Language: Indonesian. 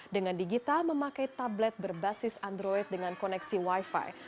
dengan digital memakai tablet berbasis android dengan koneksi wifi